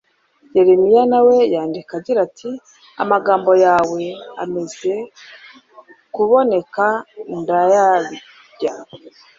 Yeremiya na we yandika agira ati: «Amagambo yawe amaze kuboneka ndayatya;